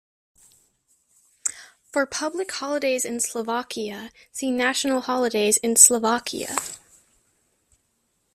For Public holidays in Slovakia see National holidays in Slovakia.